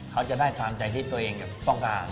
เขาจะได้ตามใจที่ตัวเองต้องการ